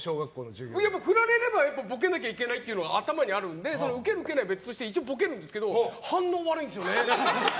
振られればボケなきゃいけないのは頭にあるのでウケるウケないは別として一応ボケるんですけど反応悪いんですよね。